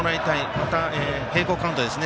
また、並行カウントですね。